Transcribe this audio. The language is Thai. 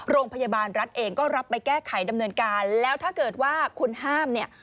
โรงพยาบาลรัฐเองก็รับไปแก้ไขดำเนินการแล้วถ้าเกิดว่าคุณห้ามเนี่ย